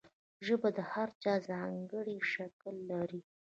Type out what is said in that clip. ژبه د هر چا ځانګړی شکل لري.